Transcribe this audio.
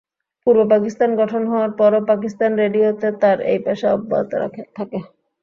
পূর্ব পাকিস্তান গঠন হওয়ার পরও পাকিস্তান রেডিও-তে তার এই পেশা অব্যাহত থাকে।